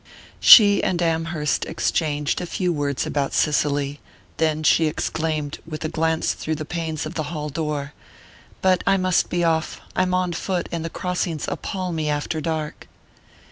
She and Amherst exchanged a few words about Cicely; then she exclaimed, with a glance through the panes of the hall door: "But I must be off I'm on foot, and the crossings appal me after dark."